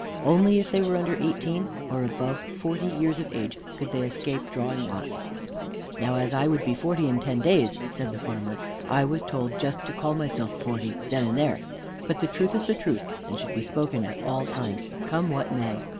Only if they were under eighteen or above forty years of age could they escape drawing lots. "Now, as I would be forty in ten days," said the farmer, "I was told just to call myself forty then and there; but the truth is the truth, and should be spoken at all times, come what may.